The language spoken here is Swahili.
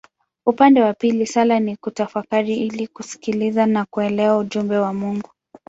Upande wa pili sala ni kutafakari ili kusikiliza na kuelewa ujumbe wa Mungu.